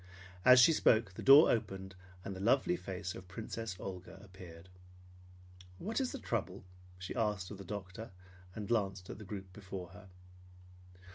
As she spoke, the door opened, and the lovely face of Princess Olga appeared. "What is the trouble?" she asked of the doctor, and glanced at the group before her.